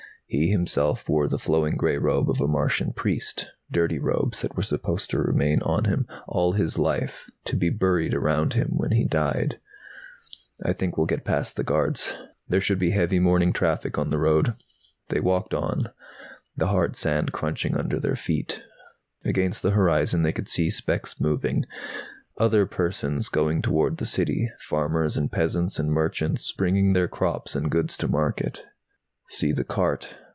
He, himself, wore the flowing grey robe of a Martian priest, dirty robes that were supposed to remain on him all his life, to be buried around him when he died. "I think we'll get past the guards. There should be heavy morning traffic on the road." They walked on, the hard sand crunching under their feet. Against the horizon they could see specks moving, other persons going toward the City, farmers and peasants and merchants, bringing their crops and goods to market. "See the cart!"